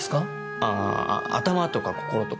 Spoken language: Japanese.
あぁ頭とか心とか。